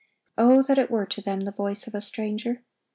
(1110) O that it were to them the voice of a stranger!